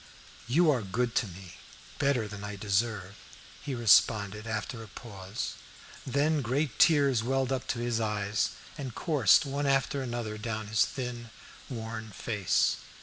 "You are good to me; better than I deserve," he responded, after a pause. Then great tears welled up to his eyes, and coursed one after another down his thin, worn face.